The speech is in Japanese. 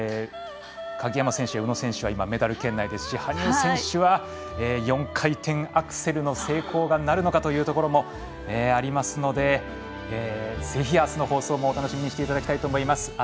鍵山選手や宇野選手はメダル圏内ですし羽生選手は４回転アクセルの成功がなるのかというところもありますのでぜひ、あすの放送も楽しみにしていただきたいと思います。